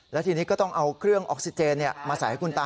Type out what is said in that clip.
แล้วทีนี้ก็ต้องเอาเครื่องออกซิเจนมาใส่ให้คุณตา